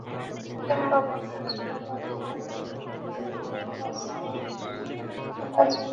কিংবা বন্ধুর জন্য লেখা ই-মেইলে ভুল করে বসের ঠিকানা জুড়ে দিয়েছেন।